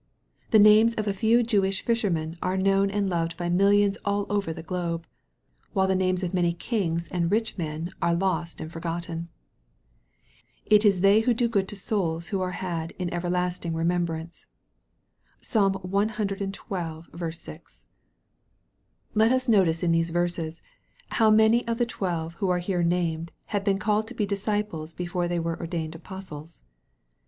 The names of a few Jewish fishermen are known and loved by millions all over the globe, while the names of many kings and rich men are lost and forgotten. It is they who do good to souls who are had " in everlasting remembrance." (Psalm cxii. 6.) Let us notice in these verses, how many of the twelve who are here named, had been called to be disciples before they were ordained apostles.